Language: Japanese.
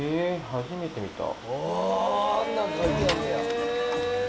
初めて見た。